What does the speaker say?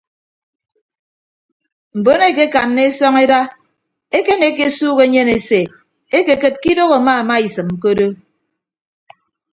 Mbon eekekanna esọñeda ekenekke esuuk enyen ese edikịd ke idooho amaamaisịm ke odo.